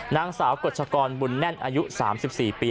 นางสาวกฎชกรบุญแน่นอายุ๓๔ปี